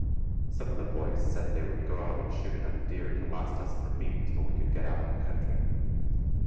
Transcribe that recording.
Some of the boys said they would go out and shoot enough deer to last us for meat till we could get out of the country.